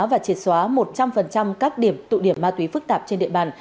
và triệt xóa một trăm linh các điểm tụ điểm ma túy phức tạp trên địa bàn